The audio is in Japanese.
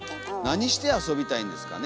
何して遊びたいんですかね